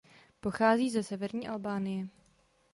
Pochází ze severní Albánie.